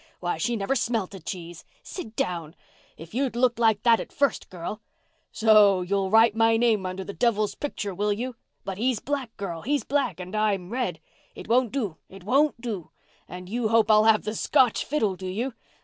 Why, she never smelt a cheese. Sit down. If you'd looked like that at the first, girl! So you'll write my name under the devil's picture, will you? But he's black, girl, he's black—and I'm red. It won't do—it won't do! And you hope I'll have the Scotch fiddle, do you?